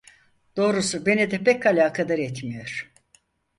Doğrusu beni de pek alakadar etmiyor…